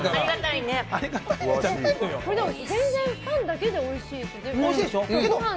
全然パンだけでおいしいね。